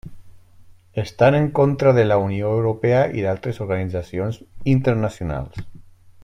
Estan en contra de la Unió Europea i d'altres organitzacions internacionals.